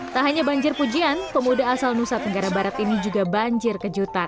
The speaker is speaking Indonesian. tak hanya banjir pujian pemuda asal nusa tenggara barat ini juga banjir kejutan